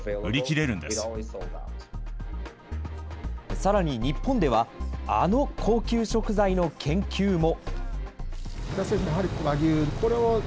さらに日本では、あの高級食材の研究も。